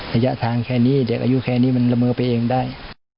ระยะทางแค่นี้เด็กอายุแค่นี้มันละเมอไปเองได้